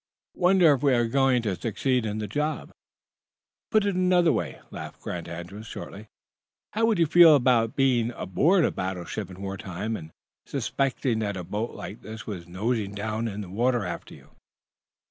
"Wondering if we were going to succeed in the job." "Put it another way," laughed Grant Andrews, shortly. "How would you feel about being aboard a battleship in wartime, and suspecting that a boat like this was nosing down in the water after you?"